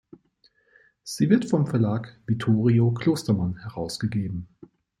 Sie wird vom Verlag Vittorio Klostermann herausgegeben.